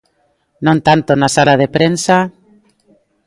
Non tanto na sala de prensa...